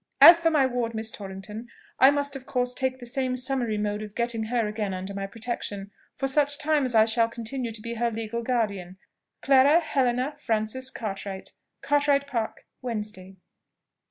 "As for my ward Miss Torrington, I must of course take the same summary mode of getting her again under my protection, for such time as I shall continue to be her legal guardian. "CLARA HELENA FRANCES CARTWRIGHT. "Cartwright Park, Wednesday."